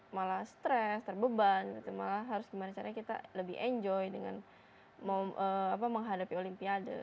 malah stres terbeban malah harus gimana caranya kita lebih enjoy dengan menghadapi olimpiade